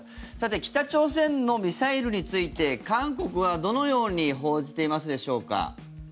さて、北朝鮮のミサイルについて韓国はどのように報じていますでしょうか。